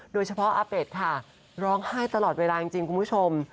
โดยเฉพาะอาเป็ดค่ะร้องไห้ตลอดเวลาจริงคุณผู้ชม